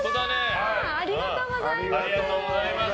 ありがとうございます！